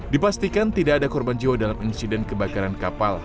dipastikan tidak ada korban jiwa dalam insiden kebakaran kapal